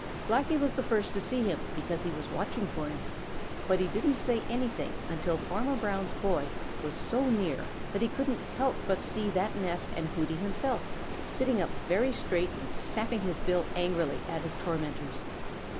Blacky was the first to see him because he was watching for him. But he didn't say anything until Farmer Brown's boy was so near that he couldn't help but see that nest and Hooty himself, sitting up very straight and snapping his bill angrily at his tormentors.